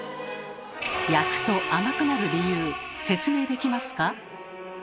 焼くと甘くなる理由説明できますか？